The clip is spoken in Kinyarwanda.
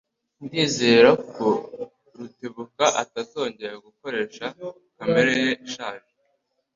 Ndizera ko Rutebuka atazongera gukoresha kamera ye ishaje.